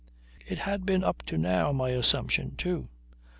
It had been up to now my assumption too.